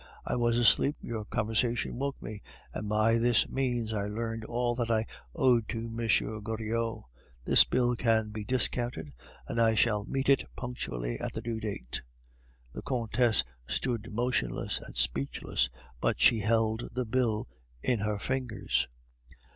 "I was asleep; your conversation awoke me, and by this means I learned all that I owed to M. Goriot. This bill can be discounted, and I shall meet it punctually at the due date." The Countess stood motionless and speechless, but she held the bill in her fingers.